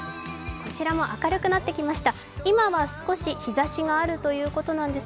こちらも明るくなってきました。